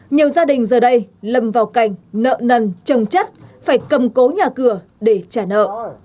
nhiều gia đình giờ đây lầm vào cảnh nợ nần trồng chất phải cầm cố nhà cửa để trả nợ